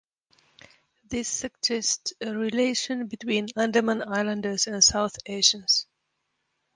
This suggests a relation between Andaman islanders and South Asians.